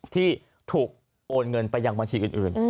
ที่ถูกโอนเงินไปยังบัญชีอื่น